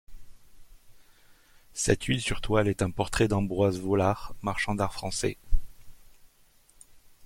Cette huile sur toile est un portrait d'Ambroise Vollard, marchand d'art français.